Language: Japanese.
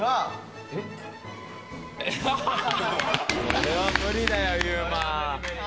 これは無理だよゆうま。